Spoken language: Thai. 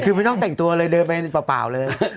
คือไม่ต้องแต่งตัวเลยเดินไปเปล่าเลย